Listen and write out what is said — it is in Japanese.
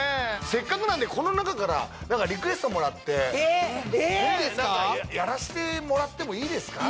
せっかくなんでこの中から何かリクエストもらって何かやらしてもらってもいいですか？